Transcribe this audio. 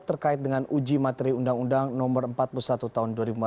terkait dengan uji materi undang undang no empat puluh satu tahun dua ribu empat belas